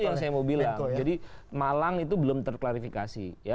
itu yang saya mau bilang jadi malang itu belum terklarifikasi